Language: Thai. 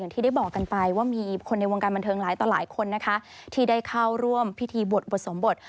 ที่ได้บอกกันไปว่ามีคนในวงการบันเทิงหลายต่อหลายคนนะคะที่ได้เข้าร่วมพิธีบวชอุปสมบท